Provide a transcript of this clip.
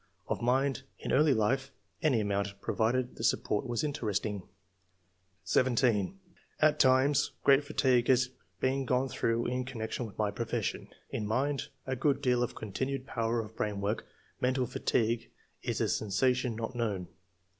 Of mind — In early life, any amount, provided the subject was interesting." 17. ''At times, great fatigue has been gone through in connection with my profession. In mind — ^A good deal of continued power of brain work ; mental fatigue is a sensation not known.